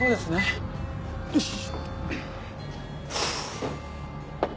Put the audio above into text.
よし！